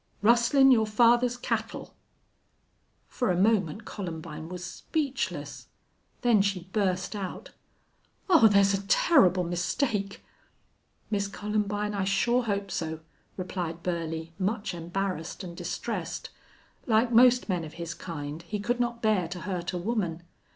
"Rustlin' your father's cattle." For a moment Columbine was speechless. Then she burst out, "Oh, there's a terrible mistake!" "Miss Columbine, I shore hope so," replied Burley, much embarrassed and distressed. Like most men of his kind, he could not bear to hurt a woman.